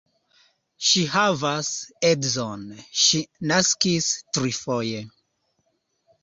Ŝi havas edzon, ŝi naskis trifoje.